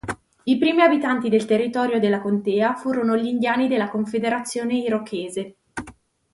I primi abitanti del territorio della contea furono gli indiani della confederazione irochese.